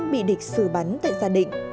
bị địch xử bắn tại gia định